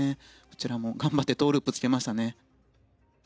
こちらも頑張ってトウループをつけましたね。